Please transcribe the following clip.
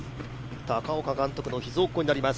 高岡監督の秘蔵っ子になります。